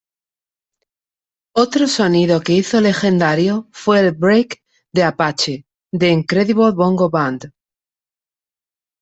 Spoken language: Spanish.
Otro sonido que hizo legendario fue el break de "Apache" de Incredible Bongo Band.